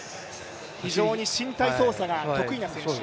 非常に身体操作が得意な選手。